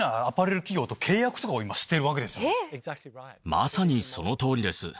まさにその通りです。